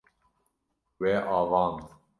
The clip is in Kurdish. We avand.